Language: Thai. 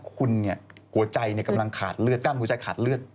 คุณหัวใจกำลังขาดเลือดกล้ามหัวใจขาดเลือด